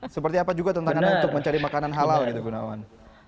seperti apa juga tentang mencari makanan halal gitu gunawan